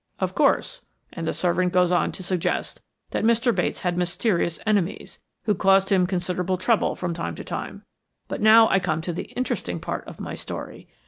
"Of course; and the servant goes on to suggest that Mr. Bates had mysterious enemies, who caused him considerable trouble from time to time. But now I come to the interesting part of my story.